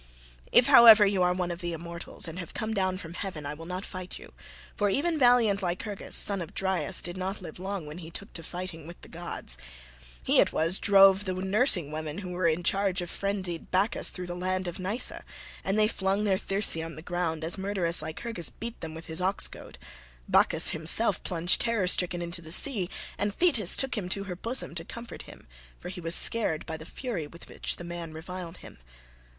If, however, you are one of the immortals and have come down from heaven, I will not fight you; for even valiant Lycurgus, son of Dryas, did not live long when he took to fighting with the gods. He it was that drove the nursing women who were in charge of frenzied Bacchus through the land of Nysa, and they flung their thyrsi on the ground as murderous Lycurgus beat them with his oxgoad. Bacchus himself plunged terror stricken into the sea, and Thetis took him to her bosom to comfort him, for he was scared by the fury with which the man reviled him.